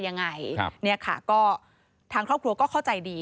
อย่างไรนี่ค่ะก็ทางครอบครัวก็เข้าใจดี